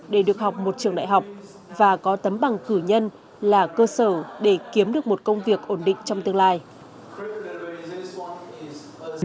để được học một trường đại học và có tấm bằng cử nhân là cơ sở để kiếm được một công việc ổn định trong tương lai